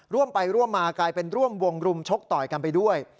ร่วมไปร่วมมากลายเป็นร่วมวงรุมชกต่อยกันไปด้วย